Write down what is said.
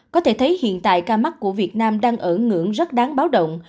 có thể thấy hiện tại ca mắc của việt nam đang ở ngưỡng rất đáng báo động